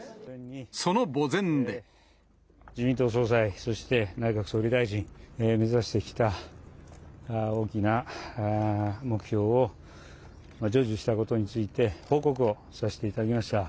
自民党総裁、そして、内閣総理大臣、目指してきた大きな目標を成就したことについて、報告をさせていただきました。